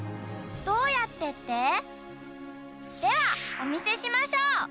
どうやってって？ではおみせしましょう。